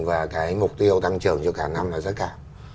và cái mục tiêu tăng trưởng cho cả năm là rất cao